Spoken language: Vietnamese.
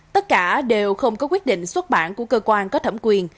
tất cả đều không có quyết định xuất bản của cơ quan có thẩm quyền